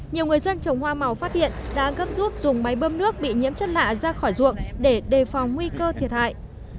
nhiều người dân trồng hoa màu phát hiện đã gấp rút dùng máy bơm nước bị nhiễm chất lạ ra khỏi ruộng để đề phòng nguy cơ thiệt hại